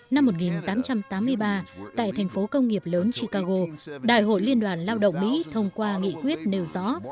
năm một nghìn tám trăm tám mươi ba tại thành phố công nghiệp lớn chicago đại hội liên đoàn lao động mỹ thông qua nghị quyết nêu rõ